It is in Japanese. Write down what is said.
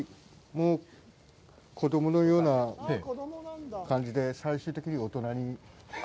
子供のような感じで、最終的に大人に。